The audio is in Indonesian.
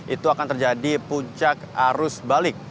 itu akan terjadi puncak arus balik